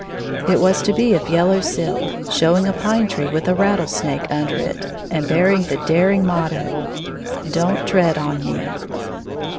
It was to be of yellow silk, showing a pine tree with a rattlesnake under it, and bearing the daring motto: "Don't tread on me."